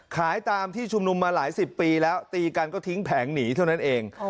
ขายตามที่ชุมนุมมาหลายสิบปีแล้วตีกันก็ทิ้งแผงหนีเท่านั้นเอง